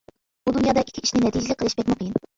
بۇ دۇنيادا ئىككى ئىشنى نەتىجىلىك قىلىش بەكمۇ قىيىن.